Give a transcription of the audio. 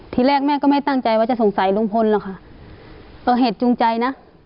ทีแรกแม่ก็ไม่ตั้งใจว่าจะสงสัยลุงพลหรอกค่ะเอาเหตุจูงใจนะ